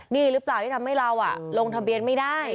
นี่หรือเปล่าที่ทำให้เราลงทะเบียนไม่ได้